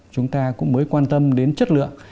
chúng ta cũng mới quan tâm đến chất lượng